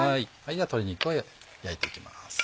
では鶏肉を焼いていきます。